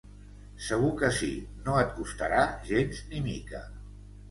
Segur que sí, no et costarà gens ni mica.